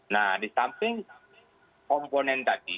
nah di samping komponen tadi